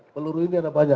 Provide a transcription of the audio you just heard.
peluru ini ada banyak